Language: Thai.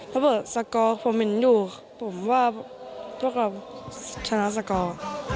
ระเบิดสกอร์ผมเห็นอยู่ผมว่าพวกเราชนะสกอร์